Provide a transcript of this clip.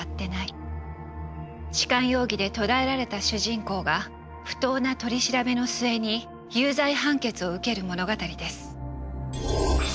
痴漢容疑で捕らえられた主人公が不当な取り調べの末に有罪判決を受ける物語です。